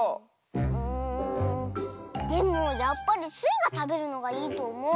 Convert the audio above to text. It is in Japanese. うんでもやっぱりスイがたべるのがいいとおもう。